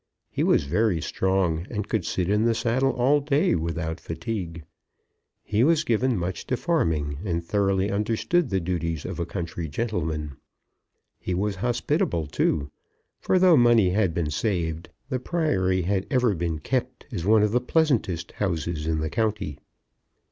He was very strong, and could sit in the saddle all day without fatigue. He was given much to farming, and thoroughly understood the duties of a country gentleman. He was hospitable, too; for, though money had been saved, the Priory had ever been kept as one of the pleasantest houses in the county.